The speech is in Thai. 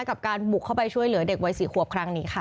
กับการบุกเข้าไปช่วยเหลือเด็กวัย๔ขวบครั้งนี้ค่ะ